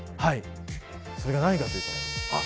それが何かというと。